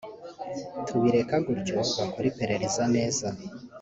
turabireka gutyo bakore iperereza neza